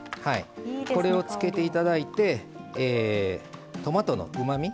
これをつけて頂いてトマトのうまみ